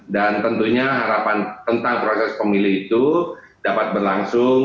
dan tentunya harapan tentang proses pemilih itu dapat berlangsung